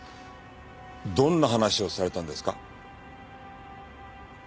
どんな話をされたんですか？